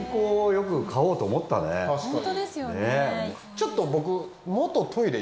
ちょっと僕。